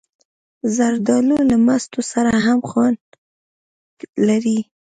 زردالو له مستو سره هم خوند لري.